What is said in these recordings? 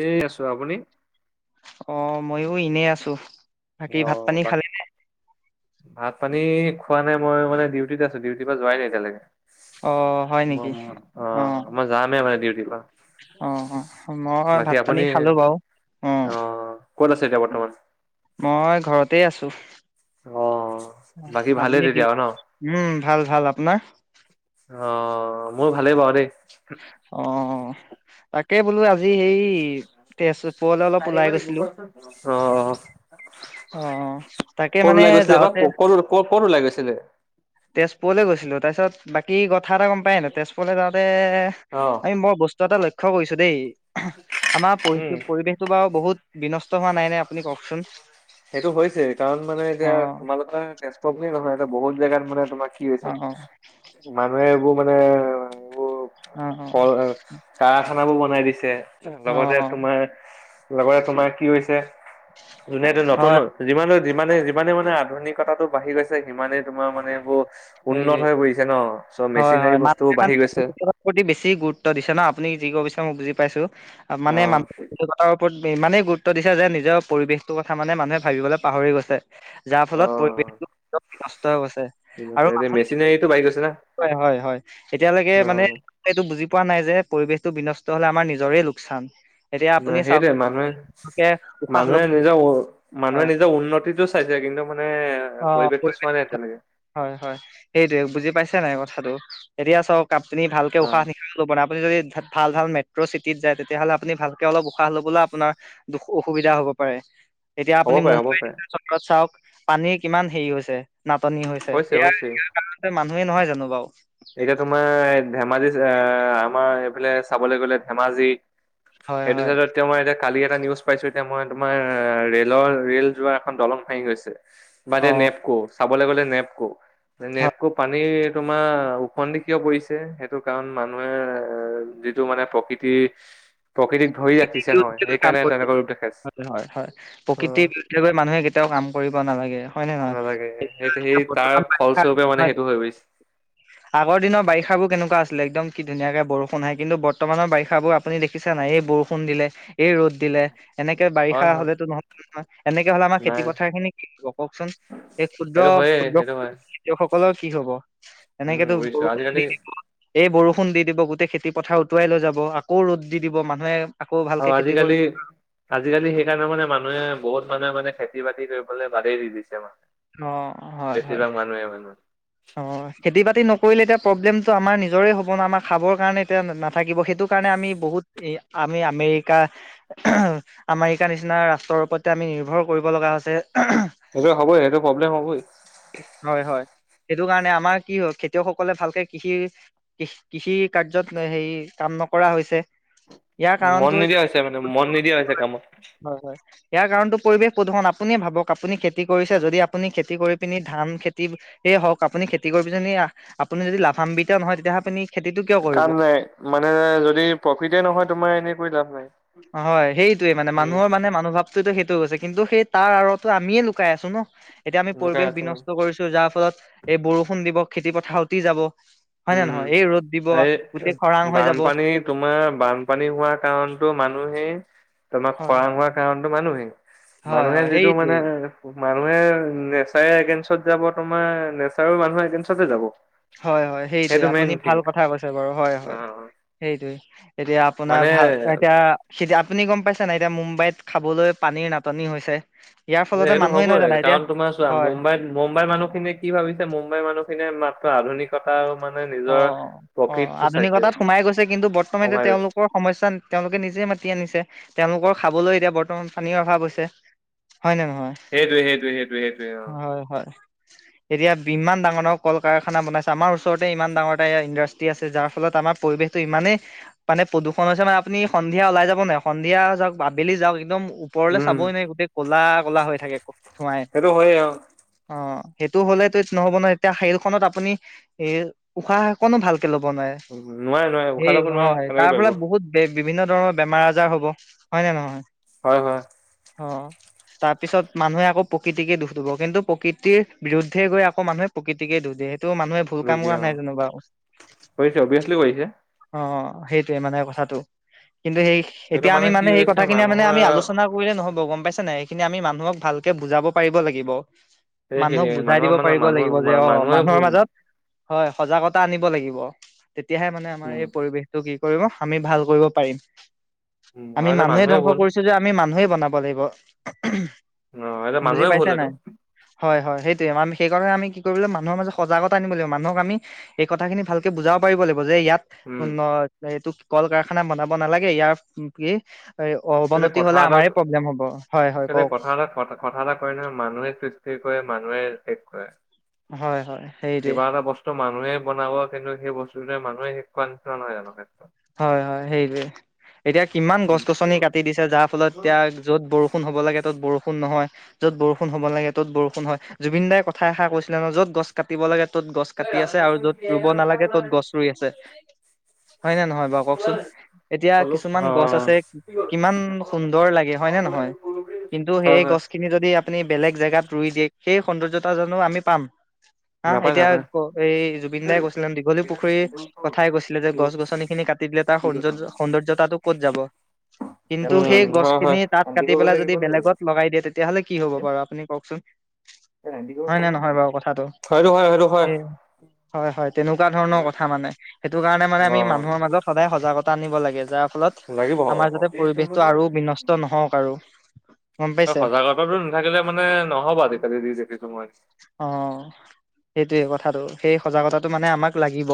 এ আছোঁ। আপুনি? মইয়ো এনে আছোঁ। অ' বাকী ভাত পানী খোৱা নাই মই মানে, ডিউটিত আছোঁ। ডিউটিৰ পৰা যোৱাই নাই এতিয়ালৈকে। অ' হয় নেকি ম- অ' মই যামে মানে ডিউ অ' - অ' মই বাকী ভাত-পানী আপুনি খালোঁ বাৰু। অ উম। ক'ত আছে এতিয়া বৰ্তমান? মই ঘৰতে আছোঁ। অ বাকী ভালেই আপুনি কি- তেতিয়া আৰু ন উম, ভাল - ভাল। আপোনাৰ? অ' মোৰ ভালেই বাৰু দেই। অ' তাকে বোলো আজি সেই তেছ অ'। অ' তাকে ক'ত মানে ওলাই গৈছিলে বা যাওঁতে কো কল- ক- ক'ত ওলাই গৈছিলে? তেজপুৰলৈ গৈছিলোঁ। তাৰপিছত, বাকী কথা এটা গম পায় নাই? তেজপুৰলে যাওঁতে অ আমি বৰ বস্ তু এটা লক্ষ্য কৰিছোঁ দেই। আমাৰ উম পৰি- পৰিৱেশটো বাৰু বহুত বিনষ্ট হোৱা নাই নে? আপুনি কওঁকচোন। সেইটো হৈছেই, কাৰণ মানে এতিয়া তোমালোকৰ তেজপুৰ বুলি নহয়, এতিয়া বহুত জেগাত মানে তোমাক কি হৈছে, অ' অ মানুহে এইবোৰ মানে বোৰ অ', অ', কল- কাৰাখানাবোৰ বনাই দিছে। লগতে অ', তোমাৰ লগতে তোমাৰ কি হৈছে, যোনে হয় ন' যিমান - যিমানে - যিমানে মানে আধুনিকতাটো বাঢ়ি গৈছে সিমানেই তোমাৰ মানে, এইবোৰ উন্নত সেইটোৱে হৈ পৰিছে ন'? ছো হয়, মেচিনাৰী হয় বস্তুবোৰ বাঢ়ি গৈছে। প্ৰতি বেছি গুৰুত্ব দিছে না? আপুনি যি ক'ব বিচাৰিছে, মই বুজি পাইছোঁ। মানে মা [inaudible] কতাৰ ওপৰত মানে ইমানেই গুৰুত ত্ব দিছে যে, নিজৰ পৰিৱেশটোৰ কথা মানে মানুহে ভাবিবলৈ পাহৰি গৈছে। যাৰ অ ফলত পৰিৱেশটো [inaudible] ঠিক আছে আৰু এতিয়া মেচিনাৰীটো বাঢ়ি গৈছে না [inaudible] হয় - হয় - হয়। এতিয়ালৈকে অ মানে এইটো বুজি পোৱা নাই যে, পৰিৱেশটো বিনষ্ট হ'লে আমাৰ নিজৰে লোকচান। এতিয়া ন আপুনি এ চাওক সেইটোৱে। মানুহে লোকে উশাহ মানুহে ল'ব নিজৰ অ'- মানুহে হয় নিজৰ উন্নতিটো চাইছে। কিন্তু মানে অ'। পৰিৱেশটো চোৱা নাই। এতিয়ালৈকে হয় - হয়, সেইটোৱে। বুজি পাইছে নাই কথাটো? এতিয়া চাওঁক কাপ পিনি ভালকে অ উশাহ নিশাহো লব না পুনি যদি ভ- ভাল - ভাল মেট্ৰ' চিটিত যায়, তেতিয়াহ'লে আপুনি ভালকে অলপ উশাহ লবলৈও আপোনাৰ দুখ- অসুবিধা হ'ব। হ'ব পাৰে। এতিয়া হ'ব আপুনি পাৰে হ'ব মুম্বাই পাৰে [inaudible] ত চাওঁক। পানীৰ কিমান হেৰি হৈছে। নাটনি হৈছে এয়া ইয়াৰ কাৰণতে মানুহে নহয় জানো বাও। এতিয়া তোমাৰ ধেমাজি আহ আমাৰ এইফালে চাবলৈ গলে ধেমাজি হয় সেইটো হয় চাইডত এতিয়া মই এতিয়া কালি এটা নিউজ পাইছো এতিয়া মই তোমাৰ ৰেলৰ ৰেল যোৱা এখন দলং হাই হৈছে। অ বাদিয় নেপকো চাবলৈ গলে নেপকো। হয় নেপকো পানী তোমাৰ উফন্দি কিয় পৰিছে সেইটো কাৰণ মানুহে এ যিটো মানে প্ৰকৃতিৰ [unintelligible] ৰূপ দেখাইছে হয় হয় হয় উম প্ৰকৃতিৰ বিৰুদ্ধে গৈ মানুহে কেতিয়াও কাম কৰিব নালাগে হয় নে নহয় নালাগে সেইটো এতিয়া সেই তাৰ বৰ্তমান বাৰিষা ফলস্বৰূপে হয় মানে সেইটো হৈ গৈছ- আগৰ দিনৰ বাৰিষাবোৰ কেনেকুৱা আছিলে একদম কি ধুনীয়াকে বৰষুণ হয় কিন্তু বৰ্তমানৰ বিষাবোৰ আপুনি দেখিছে নাই এই বৰষুণ ষুণ দিলে এই ৰ'দ দিলে। এনেকে হয় বাৰিষা হয় হলেতো নহয় নহয় এনেকে হ'লে আমাৰ নাই খেতি পথাৰ খিনি কি হব কওকচোন। এই ক্ষুদ্ৰ সেইটো হয়ে ক্ষুদ্ৰ সেইটো হয় খেতিয়কসকলৰ কি হব উম এনেকেতো বুজিছো বৰষুণ আজিকালি দি দিব। এই বৰষুণ দি দিব গোটেই খেতি পথাৰ উটুৱাই লৈ যাব, আকৌ ৰ'দ দি দিব মানুহে আকৌ ভালকে আৰু খেতি আজিকালি কৰিব আজিকালি সেইকাৰণে মানে মানুহে বহুত মানুহে মানে খেতি বাতি কৰিবলৈ বাদেই দি দিছে মানে, অ হয় হয় বেছিভাগ মানুহে মানে। অ খেতি বাতি নকৰিলে এতিয়া প্ৰব্লেমটো আমাৰ নিজৰে হ'ব ন, আমাৰ খাবৰ কাৰণে এতিয়া নাথাকিব। সেইটো কা- আমি বহুত আমি আমেৰিকা আমেৰিকা নিচিনা ৰাষ্ট্ৰৰ ওপৰত আমি নিৰ্ভৰ কৰিব লগা হৈছে। সেইটো হ'বই সেইটো প্ৰব্লেম হ'বই হয় হয়। সেইটো কাৰণে আমাৰ কি হয় খেতিয়কসকলে ভালকে কৃষিৰ কৃষি কাৰ্যত হেৰি কাম ন- কৰা হৈছে। ইয়াৰ মন কাৰণটো হৈছে নিদিয়া মানে মন নিদিয়া হৈছে [unintelligible] কামত। হয় হয় ইয়াৰ কাৰণতটো পৰিৱেশ প্ৰদূষণ। আপুনিয়ে ভাবক আপুনি খেতি কৰিছে যদি আপুনি খেতি কৰি পিনি ধান খেতিয়ে হওক, আপুনি খেতি কৰিবিজিনি আহ আপুনি যদি লাভাম্বিত নহয়, তেতিয়াহে আপুনি খেতিটো কিয় কৰিব কাম নাই মানে যদি প্ৰফিতে নহয় তোমাৰ এনেই লাভ নাই। হয়। সেইটোয়ে মানে উম মানুহৰ মানে মানুহভাৱ- টো সেইটো গৈছে। কিন্তু সেই তাৰ আঁৰতো আমিয়ে লুকাই আছো ন, এতিয়া আমি দোকান পৰিৱেশ আছো বিনষ্ট কৰিছো যা- ফলত এই বৰষুণ দিব, খেতি পথাৰ উতি যাব। হয় নে উম। নহয়? এই ৰ'দ দিব এই গোটেই খৰাং হৈ যাব বানপানী তোমাৰ বানপানী হোৱা কাৰণতো মান - মানুহেই তোমাৰ হয় খৰাং হোৱাৰ কাৰণতো মানুহেই, হয় হয় মানুহে হয় যিটো মানে সেইটোৱেই মানুহে নেচাৰ এগেনষ্টত যাব, তোমাৰ নেচাৰ মানুহে এগেনষ্টতে যাব। হয় হয় সেইটোয়ে, সেইটো মেইন আপুনি থিং ভাল কথা কৈছে বাৰু হয় অ হয় সেইটোৱে। এতিয়া আপোনাৰ মানে ভাল এতিয়া তেতিয়া আপুনি গম পাইছে নাই, এতিয়া মুম্বাইত খাবলৈ পানীৰ নাটনি হৈছে। ইয়াৰ এ ফলতে সেইটো মানুহে নহয় হ'বই। জানো এতিয়া কাৰণ তোমাৰ চোৱা হয় মুম্বাইত মুম্বাইৰ মানুহখিনি কি ভাবিছে মুম্বাইৰ মানুহখিনিয়ে মাত্ৰ আধুনিক অ অ চাইছে আধুনিকতাত সোমাই গৈছে, কিন্তু বৰ্তমান এ কমাই গৈছে। তেওঁলোকৰ সমস্যা তেওঁলোকে নিজে মা- তি আনিছে। তেওঁলোকৰ খাবলৈ এতিয়া বৰ্তমান পানীৰ অভাৱ হৈছে। হয় ন নহয়? সেইটোৱে সেইটোৱে সেইটোৱে সেইটোৱে অ হয় হয়। এতিয়া ইমান ডাঙৰ ডাঙৰ কল কাৰখানা বনাইছে। আমাৰ ওচৰত ইমান ডাঙৰ এটা ইণ্ডাষ্ট্ৰি আছে যাৰ ফলত আমাৰ পৰিৱেশতটো ইমানেই মানে প্ৰদূষণ হৈছে মানে আপুনি সন্ধিয়া ওলাই যাব নোৱাই, সন্ধিয়া যাওক, আবেলি যাওক একদম ওপৰলৈ উম চাবই নাই গোটেই ক'লা কলা হৈ থাকে ধোৱাই সেইটো হয়ে অ অ। সেইটো হলে ত নহ'ব নহয় এতিয়া শেল খনত আপুনি এ উশাহকনো ভাল ল'ব নোৱাৰে, নোৱাৰে নোৱাৰে উশাহ সেই ল'ব নোৱাৰে হয় কেনেকে তাৰ পাৰিব পৰাে বহুত বে- বিভিন্ন ধৰণৰ বেমাৰ আজাৰ হ'ব। হয় নে নহয়? হয় হয়। অ। তাৰ পিছত মানুহে আকৌ প্ৰকৃতিকে দোষ দিব। কিন্তু প্ৰকৃতিৰ বিৰুদ্ধে গৈ আকৌ মানুহে প্ৰকৃতিকে দোষ যিহেতু মানুহে ভুল কাম ৰোগী কৰা অ নাই যেনেবা কৰিছে অভিয়াচলি কৰিছে অ। সেইটোয়ে মানে কথাটো। কিন্তু সেই সিহঁতৰ এতিয়া আমি কি মানে সেই হৈছে কথা কিনি মানে মানুহৰ আমি আলোচনা কৰিলে নহব পাইছে নাই? এইখিনি আমি মানুহক ভালকে বুজাব পাৰিব লাগিব। সেইখিনি মানুহক বুজাই মানুহৰ দিব মানে পাৰিব মানুহ লাগিব, যে অ মানুহে মানুহৰ ভুল মাজত হয় সজাগতা আনিব লাগিব। তেতিয়াহে মানে আমাৰ উম এই পৰিবেশটো কি আমি ভাল কৰিব পাৰিম। আমি সিহঁতে মানুহে ধ্বংস ভুল কৰিছো যে আমি মানুহে বনাব লাগিব। অ এইটো বুজি মানুহে ভুল পাইছা এইটো। নাই হয় হয় সেইটোৱে। সেইকাৰণে আমি কি কৰিব লাগিব মানুহৰ মাজ সজাগতা আনিব লাগিব। মানুহক আমি এই কথাখিনি ভালকে বুজাব পাৰিব লাগিব যে, ইয়াত উম উন এইটো কল কাৰখানা বনাব নালাগে, ইয়াৰ কি এই এতিয়া অৱনতি কথা হলে এটা আমাৰে প্ৰব্লেম হ'ব হয় হয় এতিয়া কওক কথা এটা কথা এটা কয় নহয় মানুহে সৃষ্টি মানুহে শেষ কৰে, হয় হয় সেইটোৱে কিবা এটা বস্তু মানুহে বনাব কিন্তু সেই বস্তুতোৱে মানুহে শিকোৱাৰ নিচিনা নহয় জানো হয় হয় সেইটোৱে এতিয়া কিমান গছ- গছনি কাটি দিছে যাৰ ফলত এতিয়া অ য'ত বৰষুণ হ'ব লাগে ত'ত বৰষুণ নহয়। য'ত বৰষুণ হ'ব লাগে ত'ত বৰষুণ হয় জুবিন দাই কথা এষাৰ কৈছিলে ন য'ত গছ কাটিব লাগে ত'ত গছ কাটি আছে আৰু য'ত ৰুব নালাগে ত'ত গছ ৰুই আছে। হয় নে নহয় বাৰু কওকচোন, এতিয়া কিছুমান গছ আছে কিমান সুন্দৰ লাগে হয় নে নহয়। হয় কিন্তু হয় সেই হয় গছ খিনি যদি আপুনি বেলেগ জেগাত ৰুই দিয়ে সেই সৌন্দৰ্যতা জানো আমি পাম। হা নাপায় এতিয়া নাপায় এই জুবিন দাই কৈছিলে দীঘলী পুখুৰীৰ কথাই কৈছিলে যে গছ গছ নি খিনি কাটি দিলে তাৰ সৌন্দৰ্য সৌন্দৰ্যতাটো ক'ত যাব। কিন্তু সেই উম হয় হয় গছখিনি তাত কাটি পেলাই যদি বেলেগত লগাই দিয়ে তেতিয়াহ'লে কি হব বাৰু আপুনি কওকচোন? হয় নাই নহয় বাৰু কথাটো। সেইটো হয় সেইটো হয় সে হয় হয় তেনেকোৱা ধৰণৰ কথা মানে সেইটো কাৰণে মানে অ আমি মা মাজত সদায় সজাগতা আনিব লাগে যা ৰ ফলত লাগিব আমাৰ যাতে পৰিৱেশটো আৰু বিনষ্ট নহওক আৰু। গম পাইছে? সজাগগতাতো নাথাকিলে মানে নহব আজিকালি যি দেখিছো মই। অ' সেইটোৱে কথাটো সেই সজাগতাটো মানে আমাক লাগিব।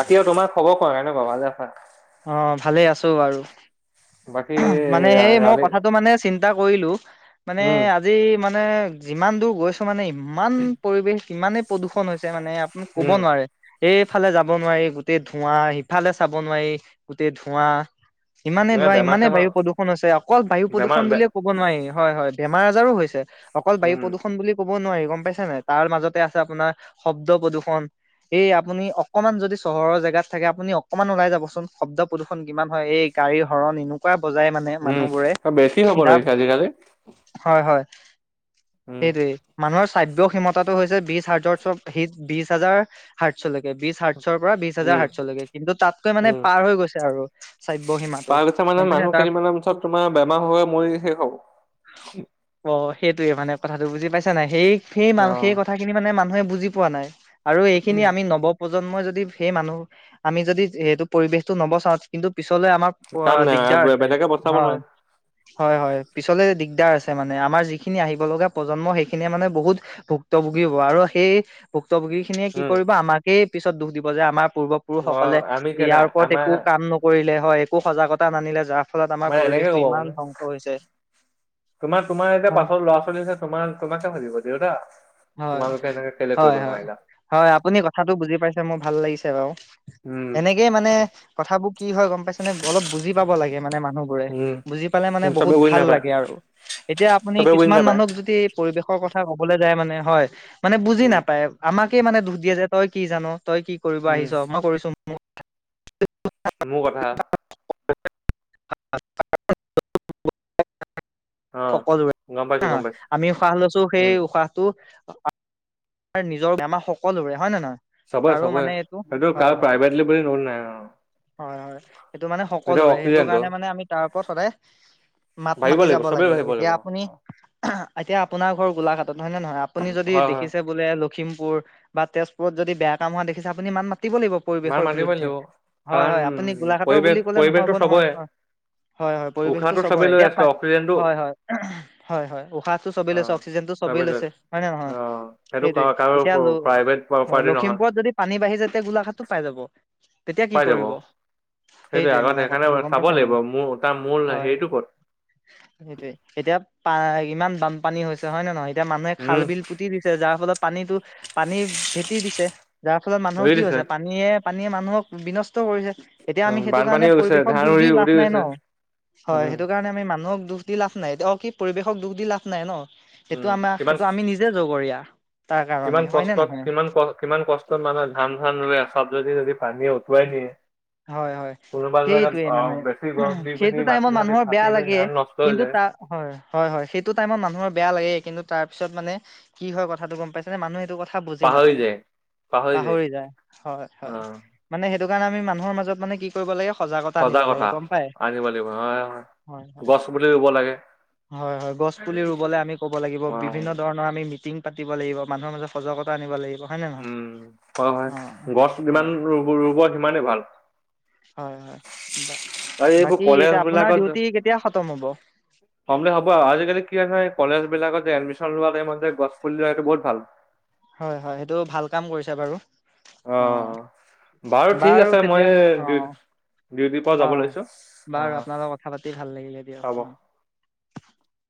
বাকী আৰু তোমাৰ খবৰ কোৱা, কেনেকোৱা ভালে আছা। অ ভালে আছো বাৰু, বাকী মানে সেই মই আমি কথাটো মানে চি ন্তা কৰিলো মানে উম আজি মানে নে যিমান দূৰ গৈছো মানে ইমান পৰিৱেশ ইমানে প্ৰদূষণ হৈছে। মানে আপুনি ক'ব উম নোৱাৰে এইফালে যাব নোৱাৰি গোটেই ধোঁৱা ইফালে চাব নোৱাৰি গোটেই ধোঁৱা। ইমানে এ ধোঁৱা বেমাৰ ইমানে চেমাৰ বায়ু প্ৰদূষণ হৈছে অকল বায়ু বেমাৰ প্ৰদূষণ বুলিয়ে ক'ব নোৱাৰি হয় হয়। বেমাৰ আজাৰো হৈছে অকল বায়ু উম প্ৰদূষণ বুলি ক'ব নোৱাৰি গম পাইছে নাই তাৰ মাজতে আছে আপোনাৰ শব্দ প্ৰদূষণ এই আপুনি অকমান যদি চহৰৰ জেগাত থাকে আপুনি অ কমান ওলাই যাবচোন শব্দ প্ৰদূষণ কিমান হয় এই গাড়ী হৰণ এনেকোৱা বজাই মানে উম মানুহবোৰো বেছি হ'ব ধৰিছে আজিকালি হয় হয়। উম সেইটোৱে মানুহৰ সাব্য ক্ষমতাটো হৈছে বিশ হাজাৰ বিশ হাজাৰ হাজতচলৈকে। বিশ হাৰ্টচৰ পৰা বিশ উম হাজাৰ হাৰ্টচলৈকে কিন্তু তাতকৈ মানে পাৰ হৈ গৈছে আৰু। শ্ৰাব্য সীমাটো পাৰ হৈ গৈছে মানে গম পাইছা মানুহ তাৰ কেইদিমানৰ পাছত তোমাৰ বেমাৰ হৈ হৈ মৰি শেষ হব। সেইটোৱে মানে কথাটো বুজি পাইছা নাই সেই সেই অ সেই কথাখিনি মানে মানুহে বুজি পোৱা নাই। আৰু এইখিনি আমি নৱপ্ৰজন্মই যদি সেই মানুহ আমি যদি এইটো পৰিবেশটো নবচাও কিন্তু পিছত পিছলে আমাৰ কাম নাই দিগদাৰ আছে বেলেগে বচাব হয় নোৱাৰে হয় হয় পিছলে দিগ দিগাৰ আছে মানে আমাৰ যিখিনি আহিব লগা প্ৰজন্ম সেইখিনিয়ে মানে বহুত ভুক্ত ভোগী হ'ব আৰু সেই ভূক্তভোগী খিনিয়ে কি উম কৰিব আমাকেই পিছত দুখ দিব যে আমাৰ পূ অ পুৰুষসকলে আমি কেলা ইয়াৰ ওপৰত আমাৰ একো কাম নকৰিলে হয় একো সজাগতা নানিলে যাৰ ফলত আমাৰ মানে এনেকে পৰিৱেশটো ক'ব মানে ইমান ধ্বংস হৈছে। তোমাৰ তোমাৰ এতিয়া পাছ হয় ল'ৰা -ছোৱালী আছে তোমাৰ তোমাকে ভাবিব দেউতা হয় তোমালোকে এনেকে কেলে কৰিব হয় হয় নোৱাৰিলা হয়, আপুনি কথাটো বুজি পাইছে মোৰ ভাল লাগিছে বাৰু। উম এনেকেই মানে কথাবোৰ কি হয় গম পাইছেনে, অলপ বুজি পাব লাগে মানে মানুহ বোৰে উম বুজি বুজি পালে মানে কিন্তু চবে বহুত বুজি ভাল নাপায় লাগে আৰু এতিয়া আপুনি চবে বুজি কিছুমান নাপায় মানুহক যদি পৰিৱেশৰ কথা কথা কবলৈ যায় মানে হয়, মানে বুজি উম নাপায় আমাকে মানে দুখ দিয়া যে তই কি জান। তই কি কৰিব উম আহিছ মই কৰিছো মোক মোৰ কথা [inaudible] অ গম পাইছো সকলোৰে গম পাইছো আমি উশাহ লৈছোঁ সেই উম উশাহটো নিজৰ আমাৰ সকলোৰে হয় নে নহয়। চব কাৰো চব মানে এইটো ক হয় হয় প্ৰাইভেটলে বুলি ন নাই অ- হয় হয়, সেইটো মানে এতিয়া সকলোৰে সেইটো অক্সিজেনটো কাৰণে মানে আমি তাৰ ওপৰত সদায়- মাত ভাবিব মাতি লাগিব যাব চবেই লাগে ভাবিব এতিয়া লাগিব আপুনি- এতিয়া আপোনাৰ ঘৰ গোলাঘাটত হয় নহয় আপুনি যদি- হয় হয় দেখিছে বোলে লখিমপুৰ বা তেজপুৰত যদি বেয়া কাম হোৱা দেখিছে আপুনি ইমান ম- পাতিব লাগিব মাৰ পৰিৱেশৰ মাতিবই বিৰুদ্ধে লাগিব হয় কাৰণ হয় আপুনি গোলাঘাটৰ পৰিৱেশ বুলি ক'লে নহ'ব পৰিৱেশটো নহয় চবৰে হয় হয় হয়, পৰিৱেশতটো উশাহটো চবৰে চবেই লৈ এতিয়া আছে অক্সিজেনটো হয় হয় হয় হয় উশাহটো চবেই অ লৈছে অক্সিজেন চবেই লৈ লৈছে আছে হয় নে নহয় অ সেইটো কাৰ সেইটোৱে, কাৰো এতিয়া ল প্ৰাইভেট হয় প্ৰপাৰ্টি নহয় লখিমপুৰত যদি পানী বাঢ়ি যতিয়া গোলাঘাটটো পাই যাব- তেতিয়া কি পাই যাব কৰিব- সেইটোৱে আগত মানে সেইকাৰণে কথাটো গম চাব পাইছ নে লাগিব মোৰ তাৰ মূল হয় হেৰিটো ক'ত সেইটোৱে এতিয়া- ইমান বানপানী হৈছে হয় ন নে নহয় এতিয়া মানুহে খাল উম বিল পুতি দিছে যাৰ ফলত- পানীতো পানী ভেটি দিছে যাৰ ফলত মানুহৰ হেৰি কি দিছে হৈছে পানীয়ে - পানীয়ে মানুহক বিনষ্ট কৰিছে- এতিয়া আমি উম সেইটো কাৰণে বানপানী হৈ গৈছে পৰিৱেশক ধান দুখ দি উৰি লাভ উৰি নাই ন গৈছে হয় উম সেইটো কাৰণে আমি মানুহক- দুখ দি লাভ নাই অ কি পৰিৱেশক দুখ দি লাভ নাই ন সেইটো উম আমাৰ কিমান সেইটো আমি নিজে জগৰীয়া তাৰ কাৰণে কিমান হয় নে কষ্টত নহয় কিমান ক কিমান কষ্টত মানুহে ধান ধান ৰুয়ে - চাবজাতি যদি পানী উটুৱাই নিয়ে - হয় হয়, সেইটোৱে মানে বেছি গৰম দি পিনি সেইটো মাটি টাইমত চাটি মানুহৰ ফাটি বেয়া পিনি লাগে ধান নষ্ট হৈ কিন্তু- যায় হয় হয় হয়, সেইটো টাইমত মানুহৰ বেয়া লাগে- কিন্তু তাৰ পিছত মানে কি হয় কথাটো গম পাইছে নে মানুহে এইটো কথা- বুজি পাহৰি নাপাই যায় পাহৰি যায় হয় অ হয় মানে সেইটো কাৰণে আমি ম- মানুহৰ মাজত মানে কি কৰিব লাগে- সজাগতা আনিব লাগে গম পায় আনিব লাগিব হয় হয় হয়- গছ পুলি ৰুব লাগে হয় হয় গছ পুলি ৰুবলৈ আমি ক'ব লাগিব বিভিন্ন ধৰণৰ আমি মিটিং পাতি লাগিব মানুহৰ মাজত সজাগতা আনিব লাগিব হয় নে নহয় উম হয় হয় অ গছ হয় যিমান ৰুব ৰুব সিমানেই ভাল হয় হয় বা আৰু বাকী এতিয়া আপোনাৰ ডিউটি কেতিয়া খতম হ'ব কমলে ভাব আজিকালি কি হয় কলেজ বিলাকত- এডমিশন লোৱা টাইমত গছ পুলি ৰোৱাতো বহুত ভাল- হয় হয়, সেইটো ভাল কাম কৰিছে বাৰু অ অ- ঠিক বাৰু আছে মই তেতিয়া অ- ডিউটিৰ পৰা অ' যাব লৈছো বাৰু আপোনালৰ কথা পাতি ভাল লাগিলে হ'ব দিয়ক অ- [inaudible]